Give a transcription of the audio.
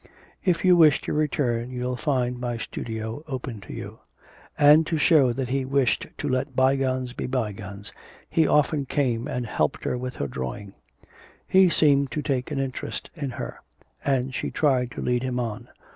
'If you wish to return you'll find my studio open to you.' And to show that he wished to let bygones be bygones, he often came and helped her with her drawing; he seemed to take an interest in her; and she tried to lead him on.